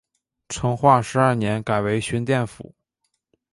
成化十二年改为寻甸府。